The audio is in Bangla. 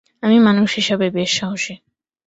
আমি মানুষ হিসাবে বেশ সাহসী।